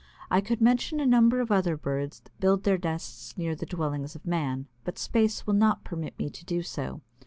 I could mention a number of other birds that build their nests near the dwellings of man, but space will not permit me to do so.